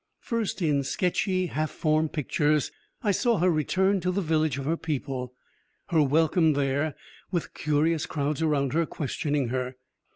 First, in sketchy, half formed pictures, I saw her return to the village, of her people; her welcome there, with curious crowds around her, questioning her.